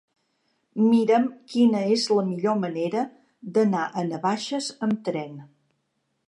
Mira'm quina és la millor manera d'anar a Navaixes amb tren.